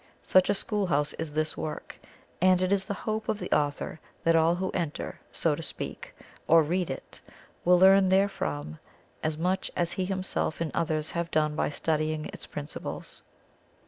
Such a school house is this work, and it is the hope of the author that all who enter, so to speak, or read it, will learn therefrom as much as he himself and others have done by studying its principles.